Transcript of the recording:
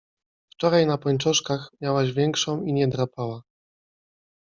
Wczoraj na pończoszkach miałaś większą i nie drapała.